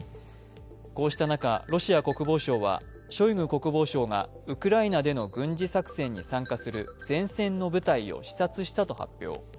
こうした中、ロシア国防省はショイグ国防相がウクライナでの軍事作戦に参加する前線の部隊を視察したと発表。